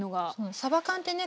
さば缶ってね